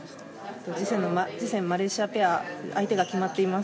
次戦、マレーシアペア相手が決まっています。